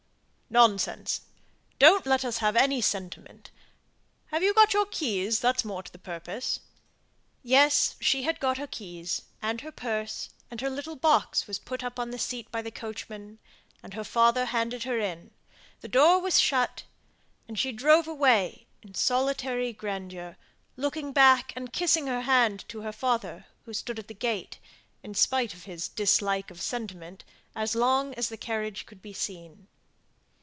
"Nonsense; don't let us have any sentiment. Have you got your keys? that's more to the purpose." Yes; she had got her keys, and her purse; and her little box was put up on the seat by the coachman; and her father handed her in; the door was shut, and she drove away in solitary grandeur, looking back and kissing her hand to her father, who stood at the gate, in spite of his dislike of sentiment, as long as the carriage could be seen.